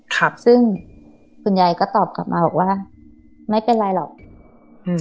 ครับซึ่งคุณยายก็ตอบกลับมาบอกว่าไม่เป็นไรหรอกอืม